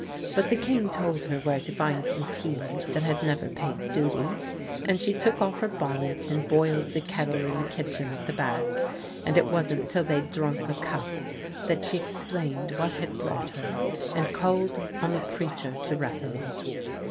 But the King told her where to find some tea that had never paid duty, and she took off her bonnet and boiled the kettle in the kitchen at the back, and it wasn't till they'd drunk a cup that she explained what had brought her, and called on the preacher to wrestle.